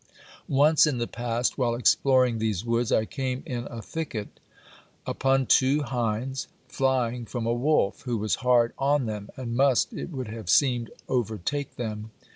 Once in the past, while exploring these woods, I came in a thicket upon two hinds flying from a wolf, who was hard on them, and must, it would have seemed, overtake them.